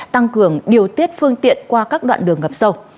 tăng cường điều tiết phương tiện qua các đoạn đường ngập sâu